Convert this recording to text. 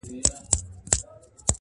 شرمنده به د پردیو مزدوران سي٫